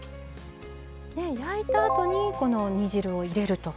焼いたあとにこの煮汁を入れると。